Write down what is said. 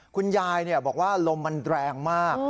คุณยายบอกว่าลมมันแรงมาก